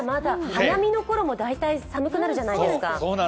花見のころも大体寒くなるじゃないですか。